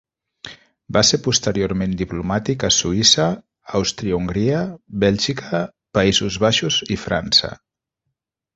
Va ser posteriorment diplomàtic a Suïssa, Àustria-Hongria, Bèlgica, Països Baixos i França.